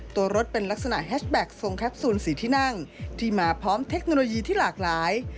ตัวรถเป็นลักษณะแฮชแท็กทรงแคปซูล๔ที่นั่งที่มาพร้อมเทคโนโลยีที่หลากหลาย